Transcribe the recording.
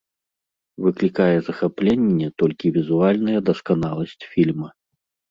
Выклікае захапленне толькі візуальная дасканаласць фільма.